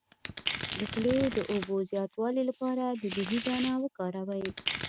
د خولې د اوبو د زیاتوالي لپاره د بهي دانه وکاروئ